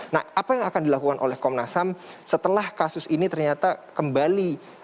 nah apa yang akan dilakukan oleh komnas ham setelah kasus ini ternyata kembali